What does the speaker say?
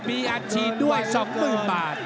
มีอัดฉีดด้วย๒๐๐๐บาท